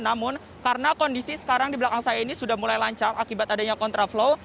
namun karena kondisi sekarang di belakang saya ini sudah mulai lancar akibat adanya kontraflow